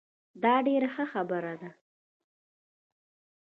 دا ډیره ښه خبره ده